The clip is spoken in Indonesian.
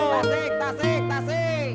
tasik tasik tasik